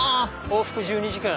往復１２時間。